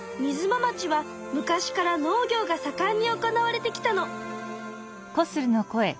ま町は昔から農業がさかんに行われてきたの。